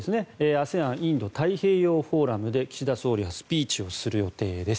ＡＳＥＡＮインド太平洋フォーラムで岸田総理がスピーチをする予定です。